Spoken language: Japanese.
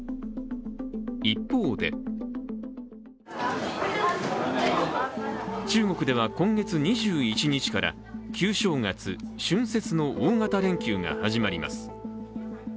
一方で中国では今月２１日から旧正月＝春節の大型連休が始まります。